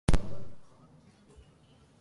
Des Barreaux was apparently bisexual.